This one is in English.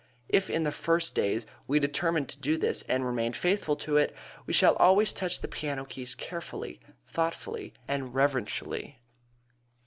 If in the first days we determine to do this and remain faithful to it, we shall always touch the piano keys carefully, thoughtfully, and reverentially.